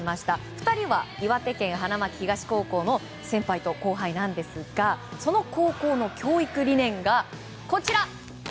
２人は岩手県花巻東高校の先輩と後輩なんですがその高校の教育理念がこちら。